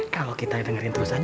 kalau kita dengerin terusannya